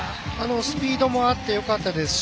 スピードもあってよかったですし